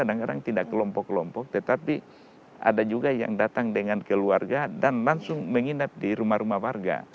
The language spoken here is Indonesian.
kadang kadang tidak kelompok kelompok tetapi ada juga yang datang dengan keluarga dan langsung menginap di rumah rumah warga